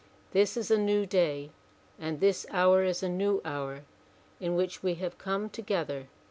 This is a new Day and this hour is a new Hour in which we have come to gether.